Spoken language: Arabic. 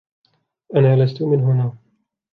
أنا لست من هنا.